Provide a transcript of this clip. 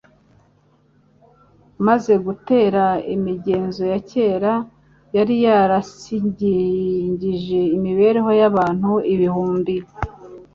maze butera imigenzo ya kera yari yarasigingije imibereho y'abantu ibihumbi.